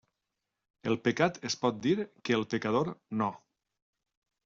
El pecat es pot dir, que el pecador no.